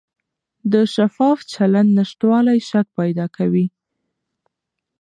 د شفاف چلند نشتوالی شک پیدا کوي